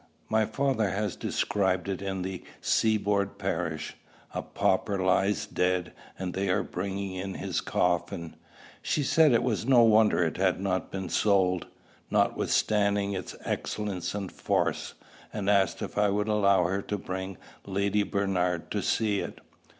My father has described it in "The Seaboard Parish:" a pauper lies dead, and they are bringing in his coffin. She said it was no wonder it had not been sold, notwithstanding its excellence and force; and asked if I would allow her to bring Lady Bernard to see it.